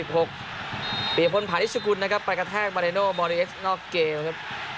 เปรียบพลผ่านอิสกุลนะครับไปกระแทกบาร์เนโนบรีเอ็กซ์นอกเกลวครับ